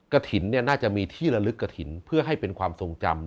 กระถิ่นน่าจะมีที่ระลึกกระถิ่นเพื่อให้เป็นความทรงจำ